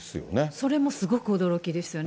それもすごく驚きですよね。